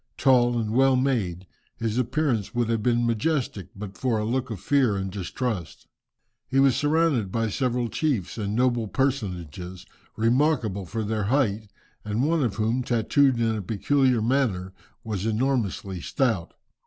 Tall and well made, his appearance would have been majestic, but for a look of fear and distrust. He was surrounded by several chiefs and noble personages, remarkable for their height, and one of whom, tattooed in a peculiar manner, was enormously stout.